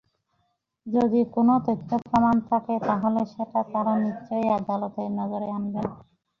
যদি কোনো তথ্য–প্রমাণ থাকে, তাহলে সেটা তাঁরা নিশ্চয়ই আদালতের নজরে আনবেন।